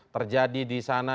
terjadi di sana